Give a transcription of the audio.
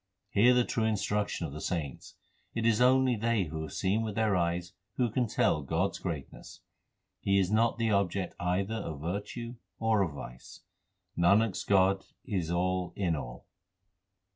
Hear the true instruction of the saints It is only they who have seen with their eyes who can tell God s greatness. He is not the object either of virtue or of vice. Nanak s God is all in all.